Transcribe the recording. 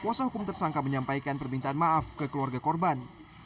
kuasa hukum tersangka menyampaikan permintaan maaf ke keluarga korban